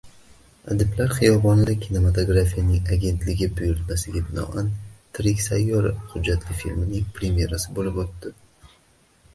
Adiblar xiyobonida Kinematografiya agentligi buyurtmasiga binoan “Tirik sayyora” hujjatli filmining premyerasi boʻlib oʻtdi.